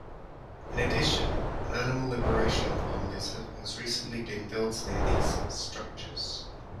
In addition, an animal liberation pond has recently been built near these structures.